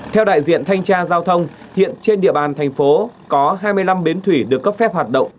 theo đại diện thanh tra giao thông hiện trên địa bàn thành phố có hai mươi năm bến thủy được cấp phép hoạt động